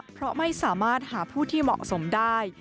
เพราะไม่สามารถหาผู้ที่เหมาะสมได้